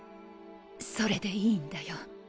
それでいいんだよ。